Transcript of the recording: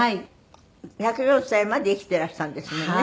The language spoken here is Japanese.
１０４歳まで生きていらしたんですもんね。